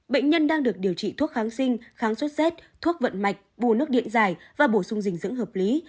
bệnh nhân đang được điều trị thuốc kháng sinh kháng sốt rét thuốc vận mạch bù nước điện dài và bổ sung dinh dưỡng hợp lý